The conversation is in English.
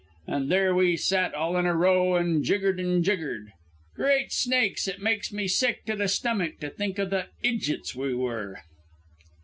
An' there we sat all in a row and jiggered an' jiggered. Great snakes, it makes me sick to the stummick to think o' the idjeets we were.